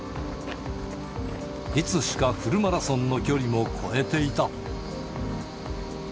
いつしかフルマラソンの距離も超えていた。